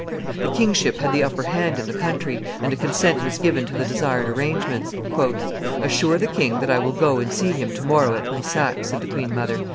The kingship had the upper hand in the country, and a consent was given to the desired arrangements. "Assure the king that I will go and see him to morrow at Brissac," said the queen mother.